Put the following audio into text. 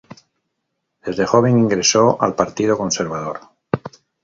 Desde joven ingresó al Partido Conservador.